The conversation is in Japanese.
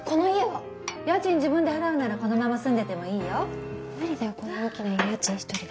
家賃自分で払うならこのまま住んでてもい無理だよこんな大きな家家賃１人でえぇ